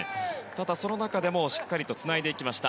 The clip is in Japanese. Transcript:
ただその中でもしっかりとつないできました。